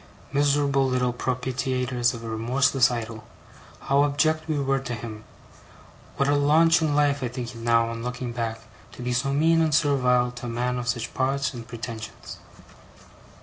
Miserable little propitiators of a remorseless Idol, how abject we were to him! What a launch in life I think it now, on looking back, to be so mean and servile to a man of such parts and pretensions!